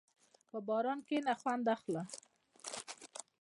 په باران کښېنه، خوند اخله.